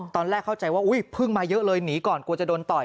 ตอนแรกเข้าใจว่าอุ้ยเพิ่งมาเยอะเลยหนีก่อนกลัวจะโดนต่อย